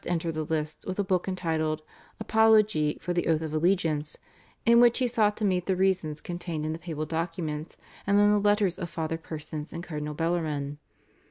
entered the lists with a book entitled /Apologie for the Oath of Allegiance/, in which he sought to meet the reasons contained in the papal documents and in the letters of Father Persons and Cardinal Bellarmine.